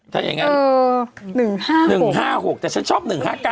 ถ้าอย่างงั้น๑ห้าหกแต่ฉันชอบ๑ห้าเก้า